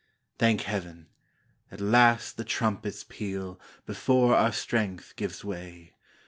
Thank Heaven ! At last the trumpets peal Before our strength gives way.